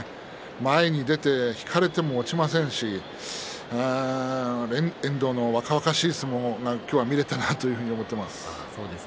前に出て引かれても落ちませんし遠藤の若々しい相撲が今日は見られたなと思っています。